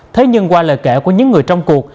thế nhưng qua lời kể của những người trong cuộc